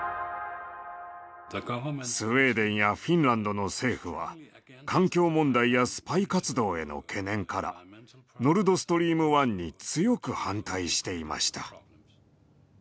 スウェーデンやフィンランドの政府は環境問題やスパイ活動への懸念からノルドストリーム１に強く反対していました。